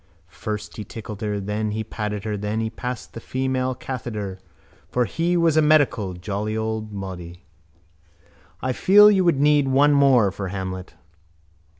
First he tickled her Then he patted her Then he passed the female catheter For he was a medical Jolly old medi... —I feel you would need one more for _Hamlet.